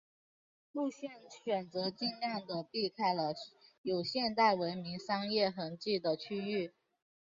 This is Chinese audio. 路线选择尽量的避开了有现代文明商业痕迹的区域。